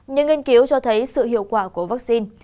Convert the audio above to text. những nghiên cứu cho thấy sự hiệu quả của vaccine